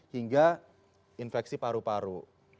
hingga infeksi paru paru